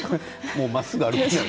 もうまっすぐ歩けない。